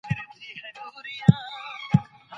کمپيوټر فايلونه کمپريسوي.